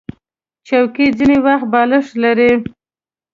چوکۍ ځینې وخت بالښت لري.